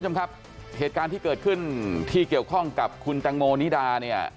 คุณผู้ชมครับเหตุการณ์ที่เกิดขึ้นที่เกี่ยวข้องกับคุณแตงโมนิดาเนี่ย